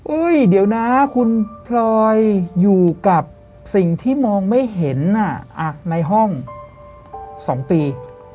เดี๋ยวนะคุณพลอยอยู่กับสิ่งที่มองไม่เห็นในห้อง๒ปี